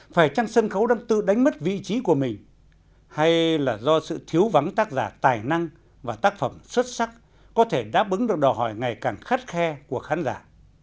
phải chăng sân khấu đang tự đánh mất vị trí của mình hay là do sự thiếu vắng tác giả tài năng và tác phẩm xuất sắc có thể đáp ứng được đòi hỏi ngày càng khắt khe của khán giả